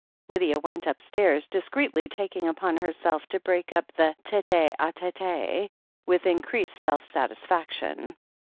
Lydia went upstairs, discreetly taking upon herself to break up the tete d tete, with increased self satisfac tion.